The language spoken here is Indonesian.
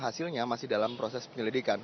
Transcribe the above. hasilnya masih dalam proses penyelidikan